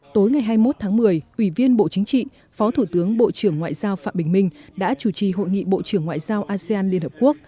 tối ngày hai mươi một tháng một mươi ủy viên bộ chính trị phó thủ tướng bộ trưởng ngoại giao phạm bình minh đã chủ trì hội nghị bộ trưởng ngoại giao asean liên hợp quốc